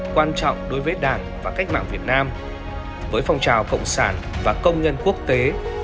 quan trọng đối với đảng và cách mạng việt nam với phong trào cộng sản và công nhân quốc tế